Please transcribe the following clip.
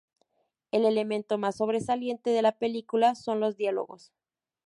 El elemento más sobresaliente de la película son los diálogos.